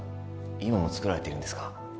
今も作られているんですか？